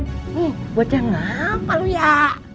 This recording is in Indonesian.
bu bocah ngapa lu ya